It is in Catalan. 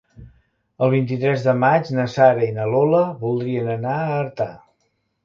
El vint-i-tres de maig na Sara i na Lola voldrien anar a Artà.